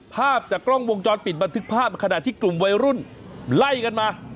ภาพจากกล้องวงจรปิดบันทึกภาพขณะที่กลุ่มวัยรุ่นไล่กันมา